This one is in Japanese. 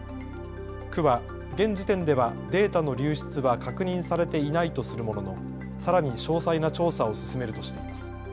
区は現時点ではデータの流出は確認されていないとするもののさらに詳細な調査を進めるとしています。